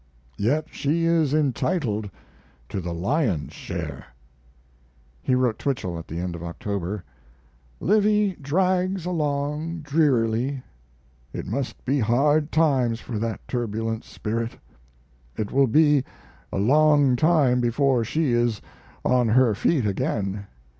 Yet she is entitled to the lion's share. He wrote Twichell at the end of October: Livy drags along drearily. It must be hard times for that turbulent spirit. It will be a long time before she is on her feet again.